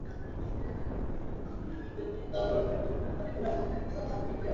Wakati mpira uko kwenye mstari hata kwa kiasi kidogo